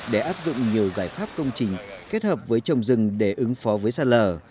để áp dụng nhiều giải pháp công trình kết hợp với trồng rừng để ứng phó với sạt lở